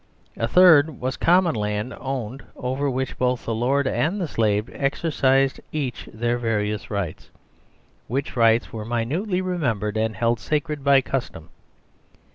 A third was common land over which both the Lord and the Slave exercised each their var ious rights, which rights were minutely remembered and held sacred by custom.